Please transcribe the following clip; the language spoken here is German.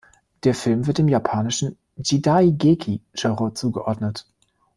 Der Film wird dem japanischen Jidaigeki-Genre zugeordnet.